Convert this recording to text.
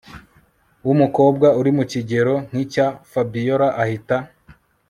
wumukobwa urimukigero nkicya Fabiora ahita